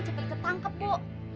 cepet ketangkep bu